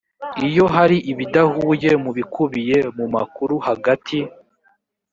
iyo hari ibidahuye mu bikubiye mu makuru hagati